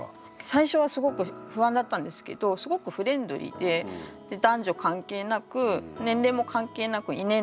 最初はすごく不安だったんですけどすごくフレンドリーで男女関係なく年齢も関係なく異年齢で遊ぶなんか空気があって。